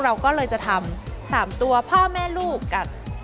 เราก็เลยจะทำ๓ตัวพ่อแม่ลูกกัน